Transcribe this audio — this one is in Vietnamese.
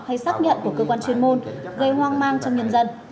hay xác nhận của cơ quan chuyên môn gây hoang mang trong nhân dân